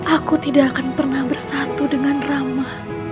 aku tidak akan pernah bersatu dengan rama